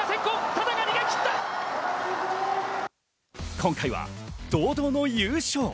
今回は堂々の優勝。